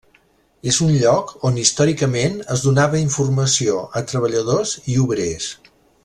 És un lloc on històricament es donava informació a treballadors i obrers.